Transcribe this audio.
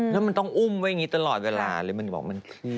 แล้วมันต้องอุ้มไว้อย่างนี้ตลอดเวลาเลยมันบอกมันคือ